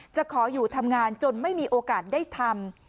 ขออยู่ทำงานจนไม่มีโอกาสได้ทำ